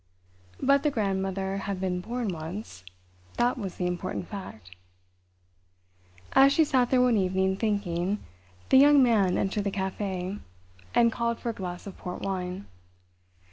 But the grandmother had been born once—that was the important fact. As she sat there one evening, thinking, the Young Man entered the café, and called for a glass of port wine.